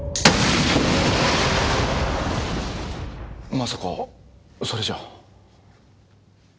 まさかそれじゃあ。